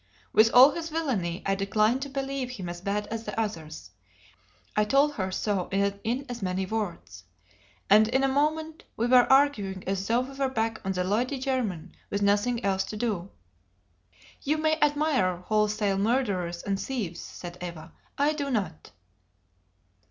With all his villainy I declined to believe him as bad as the others. I told her so in as many words. And in a moment we were arguing as though we were back on the Lady Jermyn with nothing else to do. "You may admire wholesale murderers and thieves," said Eva. "I do not."